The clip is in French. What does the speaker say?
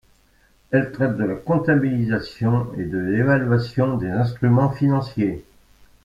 Elle traite de la comptabilisation et de l'évaluation des instruments financiers.